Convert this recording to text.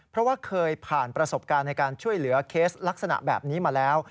เพราะว่าเคยผ่านประสบการณ์ในการช่วยเหลือเคสลักษณะแบบนี้มาแล้ว